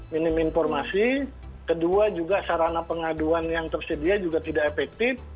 minim informasi kedua juga sarana pengaduan yang tersedia juga tidak efektif